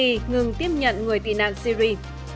từng tiếp nhận người tị nạn syri